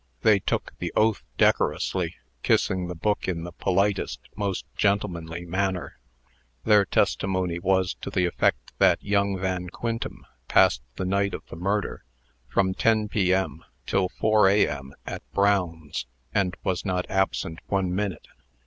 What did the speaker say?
They took the oath decorously, kissing the book in the politest, most gentlemanly manner. Their testimony was to the effect that young Van Quintem passed the night of the murder, from ten P.M. till four A.M., at Brown's, and was not absent one minute.